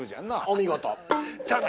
◆お見事！